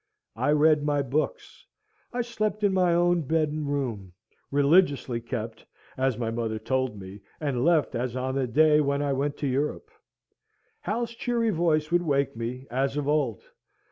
I read my books; I slept in my own bed and room religiously kept, as my mother told me, and left as on the day when I went to Europe. Hal's cheery voice would wake me, as of old.